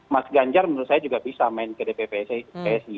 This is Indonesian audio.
mas ganjar menurut saya juga bisa main ke dpp psi